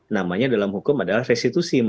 namanya dalam hukum adalah restitusi mas reza